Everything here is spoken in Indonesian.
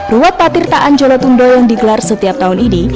ruat patir taan jolotundo yang dikelar setiap tahun ini